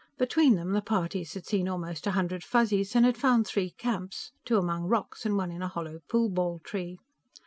Between them, the parties had seen almost a hundred Fuzzies, and had found three camps, two among rocks and one in a hollow pool ball tree.